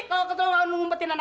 kalo ketulau gua ngumpetin anak gua